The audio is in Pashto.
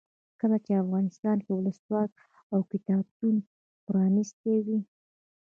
کله چې افغانستان کې ولسواکي وي کتابتونونه پرانیستي وي.